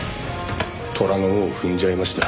「虎の尾を踏んじゃいました」